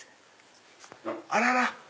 あらら。